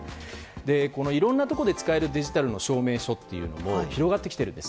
いろんなところで使えるデジタル証明書は広がってきているんです。